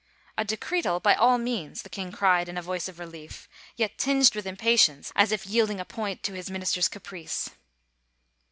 " A decretal, by all means," the king cried in a voice of relief, yet tinged with impatience as if yielding a point to his minister's caprice.